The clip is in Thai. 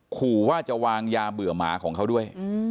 ขู่ว่าจะวางยาเบื่อหมาของเขาด้วย